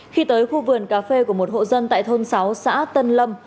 khi tới khu vườn cà phê của một hộ dân tại thôn sáu xã tân lâm